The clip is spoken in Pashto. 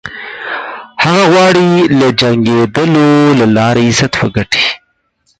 هغه غواړي له جنګېدلو له لارې عزت وګټي.